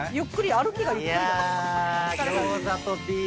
歩きがゆっくりだ。